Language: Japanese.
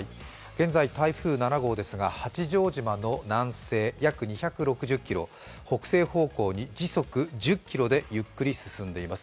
現在、台風７号ですが八丈島の南西約２６０ｋｍ、北西方向に時速１０キロでゆっくり進んでいます。